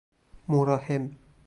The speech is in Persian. مراحم